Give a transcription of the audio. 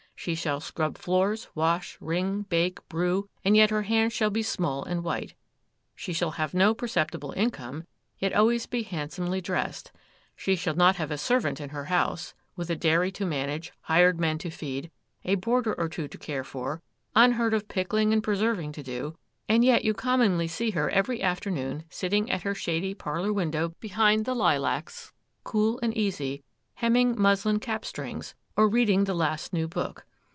She shall scrub floors, wash, wring, bake, brew, and yet her hands shall be small and white; she shall have no perceptible income, yet always be handsomely dressed; she shall not have a servant in her house,—with a dairy to manage, hired men to feed, a boarder or two to care for, unheard of pickling and preserving to do,—and yet you commonly see her every afternoon sitting at her shady parlour window behind the lilacs, cool and easy, hemming muslin cap strings, or reading the last new book.